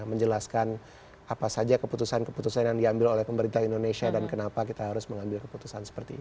menjelaskan apa saja keputusan keputusan yang diambil oleh pemerintah indonesia dan kenapa kita harus mengambil keputusan seperti ini